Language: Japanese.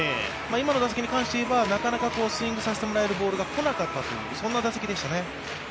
今の打席に関して言えばなかなかスイングさせてもらえるボールがこなかった、そういう打席でしたね。